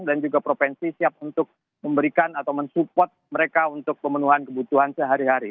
dan juga provinsi siap untuk memberikan atau mensupport mereka untuk pemenuhan kebutuhan sehari hari